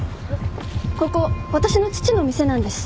ここ私の父の店なんです。